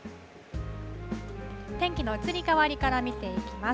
天気の移り変わりから見ていきます。